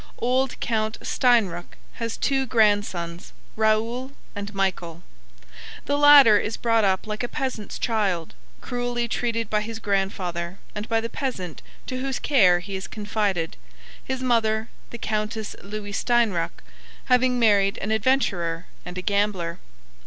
Old Count Steinruck has two grandsons, Raoul and Michael. The latter is brought up like a peasant's child, cruelly treated by his grandfather and by the peasant to whose care he is confided, his mother, the Countess Louis Steinruck, having married an adventurer and a gambler.